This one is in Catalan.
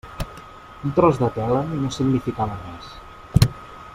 Un tros de tela no significava res.